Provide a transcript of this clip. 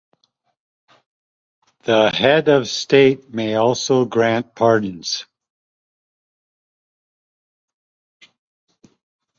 The Head of State may also grant pardons.